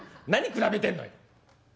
何比べてんのよ」。